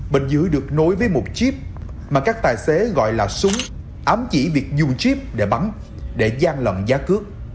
bình giữ được nối với một chip mà các tài xế gọi là súng ám chỉ việc dùng chip để bắn để gian lận giá cước